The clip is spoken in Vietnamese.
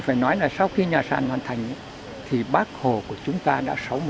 phần sáu là nhà sàn bắc hồ trong khu phủ chủ tịch